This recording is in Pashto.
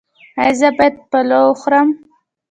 ایا زه باید پلاو وخورم؟